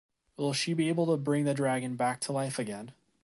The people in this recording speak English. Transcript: Will she be able to bring the dragon back to life again?